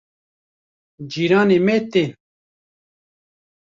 cîranê me tên